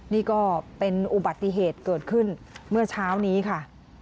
นี่ก็เป็นอุบัติเหตุเกิดขึ้นเมื่อเช้านี้ค่ะ